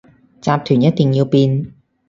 集團一定要變